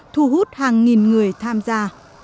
thu hút hàng nghìn người tham gia